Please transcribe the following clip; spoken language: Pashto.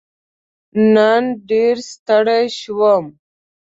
نن ډېر ستړی شوم.